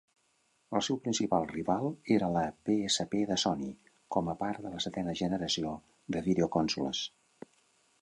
El seu principal rival era la PSP de Sony, com a part de la setena generació de videoconsoles.